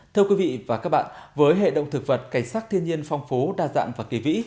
thưa quý vị và các bạn với hệ động thực vật cảnh sắc thiên nhiên phong phú đa dạng và kỳ vĩ